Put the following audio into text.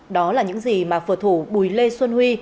đó là những gì mà phở thủ bùi lê xuân huy